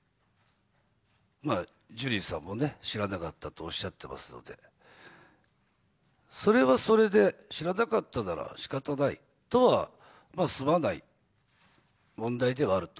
ジュリーさんもね、知らなかったとおっしゃってますので、それはそれで、知らなかったならしかたないとは、済まない問題ではあると。